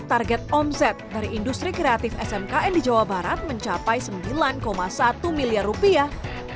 target omset dari industri kreatif smkn di jawa barat mencapai sembilan satu miliar rupiah